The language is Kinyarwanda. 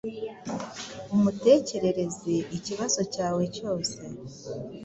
umutekerereze ikibazo cyawe cyose